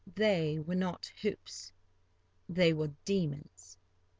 They were not hoops, they were demons.